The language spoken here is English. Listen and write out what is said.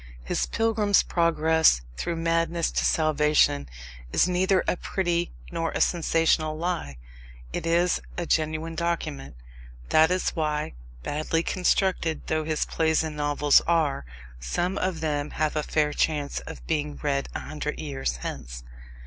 His pilgrim's progress through madness to salvation is neither a pretty nor a sensational lie. It is a genuine document. That is why, badly constructed though his plays and novels are, some of them have a fair chance of being read a hundred years hence.